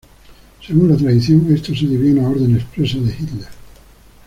Según la tradición esto se debió a una orden expresa de Hitler.